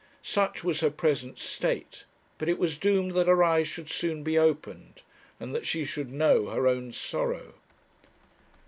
Such was her present state; but it was doomed that her eyes should soon be opened, and that she should know her own sorrow.